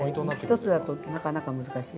１つだとなかなか難しい。